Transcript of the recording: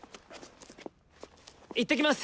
行ってきます！